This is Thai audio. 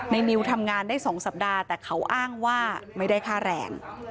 นิวทำงานได้๒สัปดาห์แต่เขาอ้างว่าไม่ได้ค่าแรง